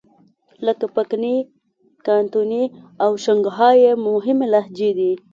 لکه پکني، کانتوني او شانګهای یې مهمې لهجې دي.